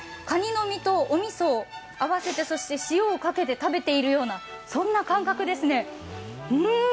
かにの身とおみそを合わせて、そして塩をかけて食べているような感覚ですね。